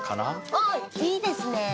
おっいいですね！